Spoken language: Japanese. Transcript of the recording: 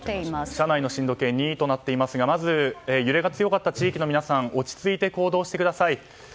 社内の震度計は２となっていますがまず揺れの強かった地域の皆さん落ち着いて行動してください。